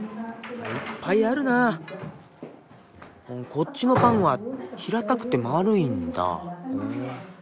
こっちのパンは平たくて円いんだ。